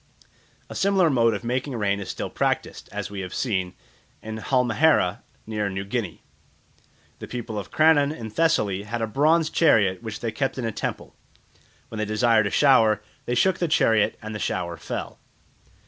A similar mode of making rain is still practised, as we have seen, in Halmahera near New Guinea. The people of Crannon in Thessaly had a bronze chariot which they kept in a temple. When they desired a shower they shook the chariot and the shower fell.